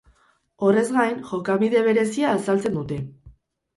Horrez gain, jokabide berezia azaltzen dute.